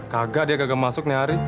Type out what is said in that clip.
kagak dia gagal masuk nih ari